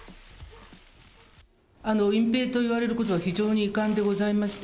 隠ぺいと言われることは非常に遺憾でございまして。